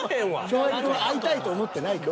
翔平くんは合いたいと思ってないから。